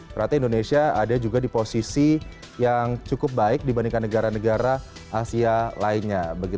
ternyata indonesia ada juga di posisi yang cukup baik dibandingkan negara negara asia lainnya